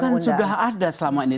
kalau itu kan sudah ada selama ini